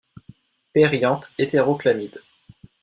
Périanthe hétérochlamyde.